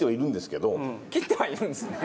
切ってはいるんですね。